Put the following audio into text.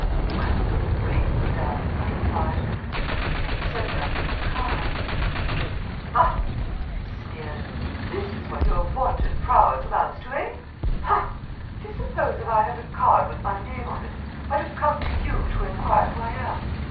"Well really, madame," I replied. "You didn't send up any card " "Ah!" she sneered. "This is what your vaunted prowess amounts to, eh? Ha! Do you suppose if I had a card with my name on it I'd have come to you to inquire who I am?